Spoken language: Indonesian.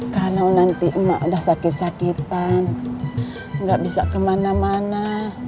kalau nanti emak udah sakit sakitan nggak bisa kemana mana